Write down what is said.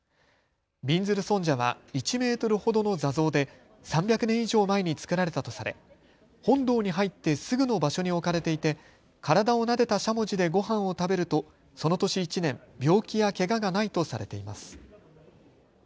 びんずる尊者は１メートルほどの座像で３００年以上前に作られたとされ本堂に入ってすぐの場所に置かれていて体をなでたしゃもじでごはんを食べるとその年１年病気やけががないとされています。